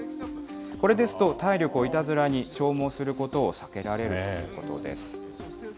これですと、体力をいたずらに消耗することを避けられるということです。